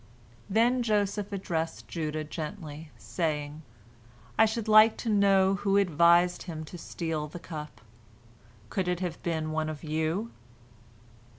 Then Joseph addressed Judah gently, saying: "I should like to know who advised him to steal the cup. Could it have been one of you?"